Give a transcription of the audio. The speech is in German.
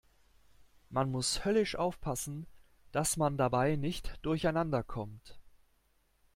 Man muss höllisch aufpassen, dass man dabei nicht durcheinander kommt.